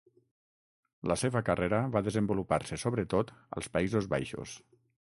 La seva carrera va desenvolupar-se sobretot als Països Baixos.